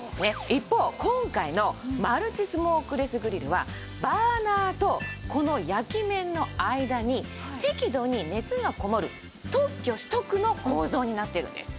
一方今回のマルチスモークレスグリルはバーナーとこの焼き面の間に適度に熱がこもる特許取得の構造になってるんです。